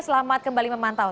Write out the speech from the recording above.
selamat kembali memantau